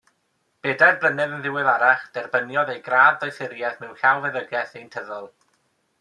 Bedair blynedd yn ddiweddarach derbyniodd ei gradd Doethuriaeth mewn Llawfeddygaeth Ddeintyddol.